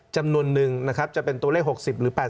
จำนวนนึงนะครับจะเป็นตัวเลข๖๐หรือ๘๐